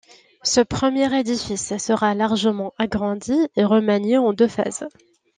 Ce premier édifice sera largement agrandi et remanié en deux phases.